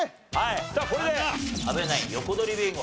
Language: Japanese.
さあこれで阿部ナイン横取りビンゴ。